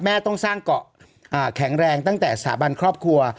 ต้องสร้างเกาะแข็งแรงตั้งแต่สถาบันครอบครัว